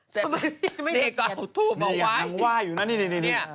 เจ๊ก็เอาทูบเอาไว้นี่นางว่ายอยู่นะนี่นี่